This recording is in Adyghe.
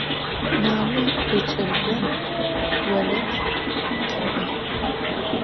Nane gıç'eze vored khê'o.